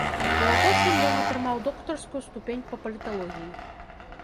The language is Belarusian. У апошнім ён атрымаў доктарскую ступень па паліталогіі.